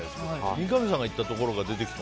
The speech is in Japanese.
三上さんが行ったところが出てきた？